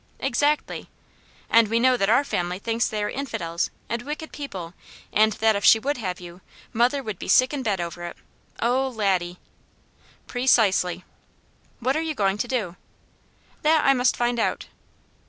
"Exactly!" "And we know that our family thinks they are infidels, and wicked people; and that if she would have you, mother would be sick in bed over it. Oh Laddie!" "Precisely!" "What are you going to do?" "That I must find out."